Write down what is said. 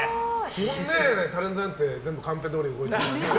タレントなんて全部カンペどおりでね。